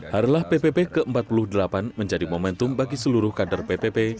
harilah ppp ke empat puluh delapan menjadi momentum bagi seluruh kader ppp